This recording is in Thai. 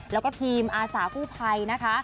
แล้วก็ทีมอาสากู้ภัยนะคะ